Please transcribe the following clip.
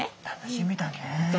楽しみだね。